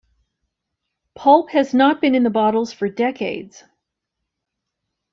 Pulp has not been in the bottles for decades.